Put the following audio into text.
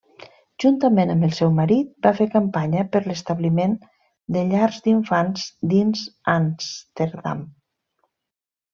Juntament amb el seu marit va fer campanya per l'establiment de llars d'infants dins Amsterdam.